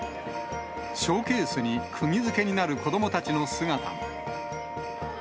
ショーケースにくぎづけになる子どもたちの姿も。